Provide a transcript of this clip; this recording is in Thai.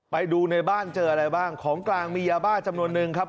ไปดูในบ้านเจออะไรบ้างของกลางมียาบ้าจำนวนนึงครับ